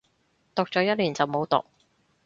讀咗一年就冇讀